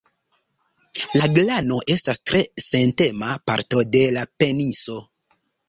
La glano estas tre sentema parto de la peniso.